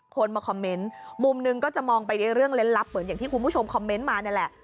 คนมาคอมเมนต์มุมหนึ่งก็จะมองไปในเรื่องเล่นลับเหมือนอย่างที่คุณผู้ชมคอมเมนต์มานี่แหละ